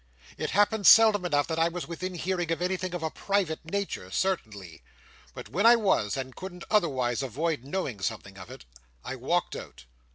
It happened seldom enough that I was within hearing of anything of a private nature, certainly. But when I was, and couldn't otherwise avoid knowing something of it, I walked out.